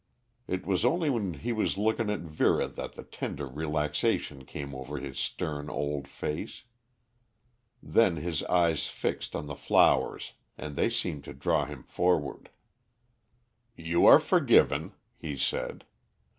It was only when he was looking at Vera that the tender relaxation came over his stern old face. Then his eyes fixed on the flowers and they seemed to draw him forward. "You are forgiven," he said.